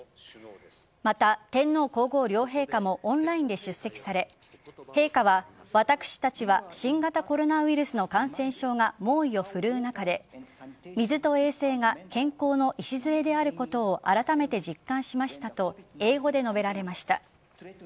また、天皇皇后両陛下もオンラインで出席され陛下は、私たちは新型コロナウイルスの感染症が猛威を振るう中で水と衛生が健康の礎であることをあらためて実感しましたと英語で述べられました。